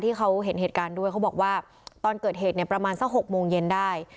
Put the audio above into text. ที่เขาเห็นเหตุการณ์ด้วยเขาบอกว่าตอนเกิดเหตุเนี่ยประมาณสัก๖โมงเย็นได้